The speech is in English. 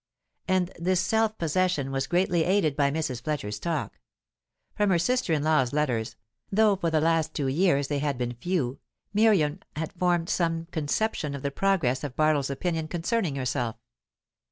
And this self possession was greatly aided by Mrs. Fletcher's talk. From her sister in law's letters, though for the last two years they had been few, Miriam had formed some conception of the progress of Bartles opinion concerning herself.